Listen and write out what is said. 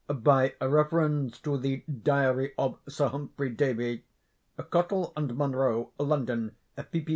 By reference to the 'Diary of Sir Humphrey Davy' (Cottle and Munroe, London, pp.